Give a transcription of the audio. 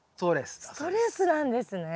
ストレスなんですね。